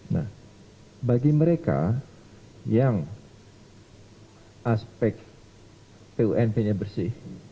nah bagi mereka yang aspek pump nya bersih